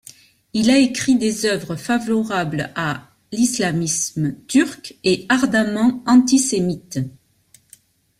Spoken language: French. Il a écrit des œuvres favorables à l'islamisme turc et ardemment antisémites.